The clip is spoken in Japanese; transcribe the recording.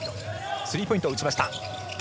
スリーポイント、落ちました。